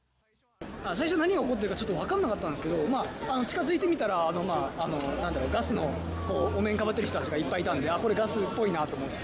最初、何が起こってるかちょっと分かんなかったんですけれども、近づいてみたら、なんだろう、ガスのお面かぶってる人たちがいっぱいいたんで、あっ、これ、ガスっぽいなと思って。